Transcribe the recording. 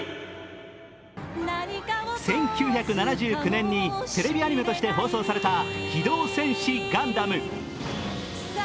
１９７９年にテレビアニメとして放送された「機動戦士ガンダム」。